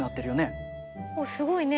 おっすごいね。